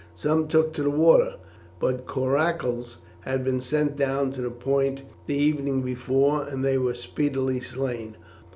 Some took to the water, but coracles had been sent down to the point the evening before, and they were speedily slain.